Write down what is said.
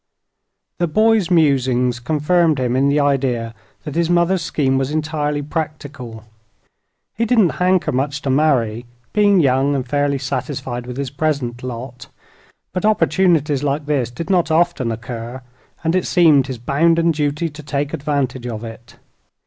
The boy's musings confirmed him in the idea that his mother's scheme was entirely practical. He didn't hanker much to marry, being young and fairly satisfied with his present lot; but opportunities like this did not often occur, and it seemed his bounden duty to take advantage of it.